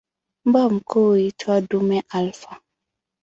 Mbwa mkuu huitwa "dume alfa".